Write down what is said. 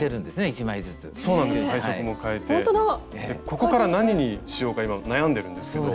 ここから何にしようか今悩んでるんですけど。